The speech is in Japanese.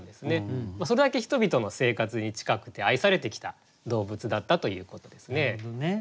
それだけ人々の生活に近くて愛されてきた動物だったということですね。